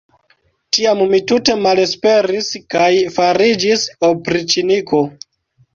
Tiam mi tute malesperis kaj fariĝis opriĉniko.